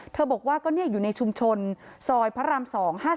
เธอบอกว่าก็เนี่ยอยู่ในชุมชนซอยพระราม๒๕๐